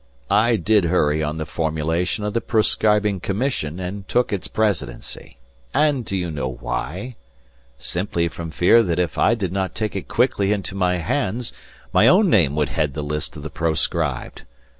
"I did hurry on the formation of the proscribing commission and took its presidency. And do you know why? Simply from fear that if I did not take it quickly into my hands my own name would head the list of the proscribed.